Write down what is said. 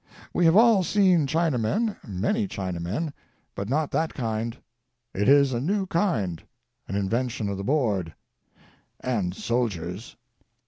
We have all seen Chinamen, many Chinamen, but not that kind. It is a new kind: an invention of the Board — and "soldiers."